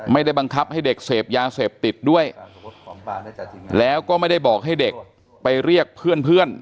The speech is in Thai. ไม่ได้บังคับให้เด็กเสพยาเสพติดด้วยแล้วก็ไม่ได้บอกให้เด็กไปเรียกเพื่อน